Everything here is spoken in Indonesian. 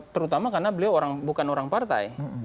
terutama karena beliau bukan orang partai